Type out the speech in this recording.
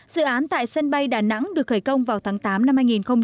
dự án tại sân bay đà nẵng được khởi công vào tháng tám năm hai nghìn